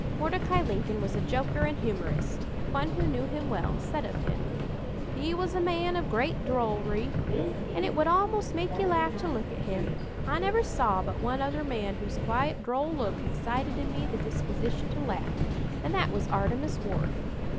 Mordecai Lincoln was a joker and humorist. One who knew him well said of him: "He was a man of great drollery, and it would almost make you laugh to look at him. I never saw but one other man whose quiet, droll look excited in me the disposition to laugh, and that was 'Artemus Ward.'